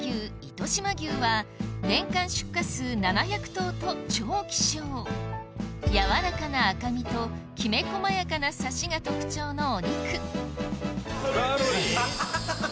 糸島牛は年間出荷数７００頭と超希少柔らかな赤身ときめ細やかなサシが特徴のお肉サーロイン？